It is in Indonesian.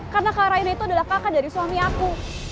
karena kak raina itu adalah kakak dari suami aku